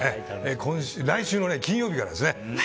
来週の金曜日からです。